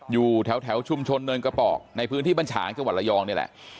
อยู่แถวชุมชนเนินกระปอกในพื้นที่บรรฉางจังหวัดระยองนี่แหละ